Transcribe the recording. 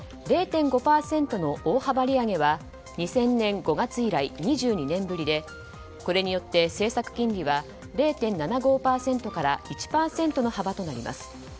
０．５％の大幅利上げは２０００年５月以来２２年ぶりでこれによって政策金利は０．７５％から１％の幅となります。